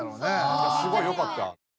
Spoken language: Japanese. ・すごいよかった。